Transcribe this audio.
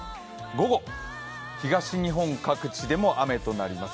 午後、東日本各地でも雨となります。